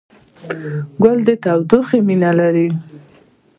ګل د تودوخې مینه لري.